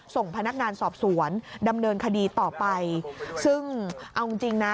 ส่งพนักงานสอบสวนดำเนินคดีต่อไปซึ่งเอาจริงจริงนะ